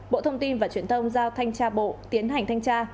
bộ thông tin và truyền thông giao thanh tra bộ tiến hành thanh tra